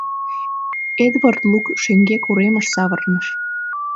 Эдвард лук шеҥгек уремыш савырныш.